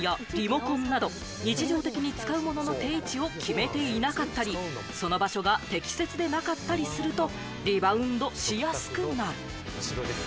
かばんやリモコンなど、日常的に使うものの定位置を決めていなかったり、その場所が適切でなかったりするとリバウンドしやすくなる。